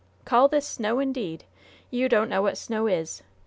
"Call this snow, indeed! You don't know what snow is!